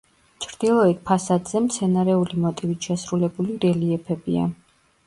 ჩრდილოეთ ფასადზე მცენარეული მოტივით შესრულებული რელიეფებია.